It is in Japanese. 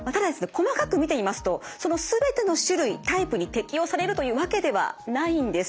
細かく見てみますとその全ての種類タイプに適用されるというわけではないんです。